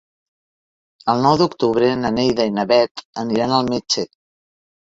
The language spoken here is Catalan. El nou d'octubre na Neida i na Bet aniran al metge.